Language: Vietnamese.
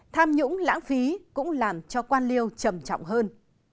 tham nhũng lãng phí cũng làm cho quan liêu trầm trọng hơn